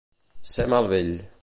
Ser mal vell.